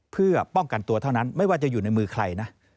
เพื่อป้องกันตัวเท่านั้นไม่ว่าจะอยู่ในมือใครนะ